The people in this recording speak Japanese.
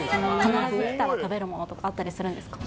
長崎に来たら食べるものとかあったりするんですか？